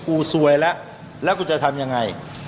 ซวยแล้วแล้วกูจะทำยังไง